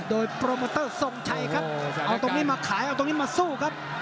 โดยโปรโมเตอร์ทรงชัยครับเอาตรงนี้มาขายเอาตรงนี้มาสู้ครับ